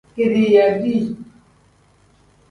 Kediiya dii.